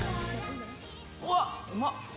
うわっ、うまっ。